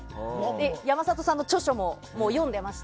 山里さんの著書も読んでまして。